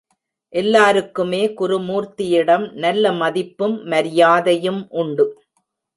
எல்லாருக்குமே குருமூர்த்தியிடம் நல்ல மதிப்பும், மரியாதையும் உண்டு.